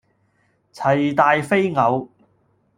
齊大非偶